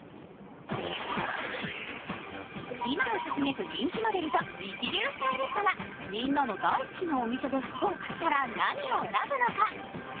今をときめく人気モデルと一流スタイリストがみんなの大好きなお店で服を買ったら何を選ぶのか。